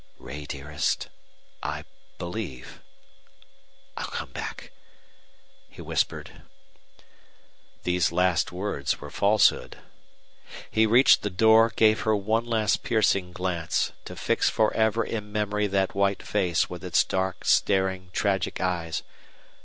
"Ray, dearest I believe I'll come back!" he whispered. These last words were falsehood. He reached the door, gave her one last piercing glance, to fix for ever in memory that white face with its dark, staring, tragic eyes.